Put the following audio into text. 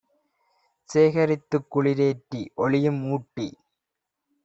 சேகரித்துக் குளிரேற்றி ஒளியும் ஊட்டி